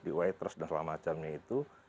di waitress dan sebagainya itu